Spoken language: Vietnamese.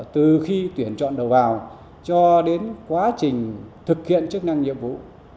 từ khi tuyển chọn đầu vào cho đến quá trình thực hiện chức năng nhiệm vụ